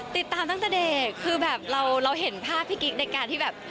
ตั้งแต่เด็กคือแบบเราเห็นภาพพี่กิ๊กในการที่แบบ